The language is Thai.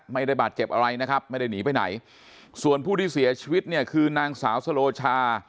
ไม่ได้บาดเจ็บอะไรนะครับไม่ได้หนีไปไหนส่วนผู้ที่เสียชีวิตเนี่ยคือนางสาวสโลชา